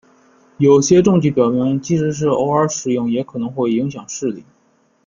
有些证据表明即便是偶尔使用也可能会影响视力。